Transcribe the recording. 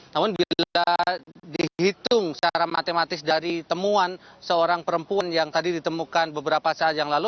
namun bila dihitung secara matematis dari temuan seorang perempuan yang tadi ditemukan beberapa saat yang lalu